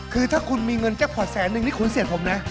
คือถ้าคุณมีเงินแค่ผอดแสนหนึ่งนี่คุณเสียดผมนะ